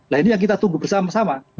nah ini yang kita tunggu bersama sama